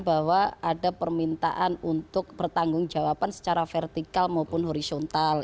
bahwa ada permintaan untuk bertanggung jawaban secara vertikal maupun horizontal